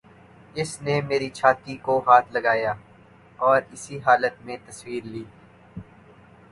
اس نے میری چھاتی کو ہاتھ لگایا اور اسی حالت میں تصویر لی